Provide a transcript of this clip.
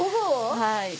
はい。